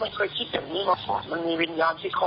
อุ๊ยหนูสงสารพ่อกับแม่เรื่องที่มันเกิดขึ้น